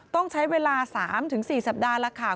ต้องใช้เวลา๓๔สัปดาห์แล้วค่ะ